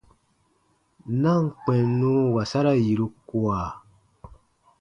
Na ǹ kpɛ̃ n nun wasara yiru kua.